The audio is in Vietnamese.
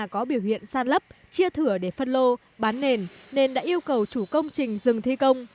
có biểu hiện san lấp chia thửa để phân lô bán nền nên đã yêu cầu chủ công trình dừng thi công